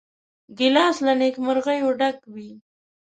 ګیلاس له نیکمرغیو ډک وي.